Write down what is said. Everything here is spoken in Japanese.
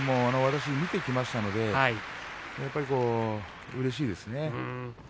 私も見てきましたのでうれしいですね。